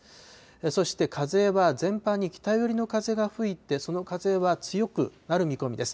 そして風は全般に北寄りの風が吹いて、その風は強くなる見込みです。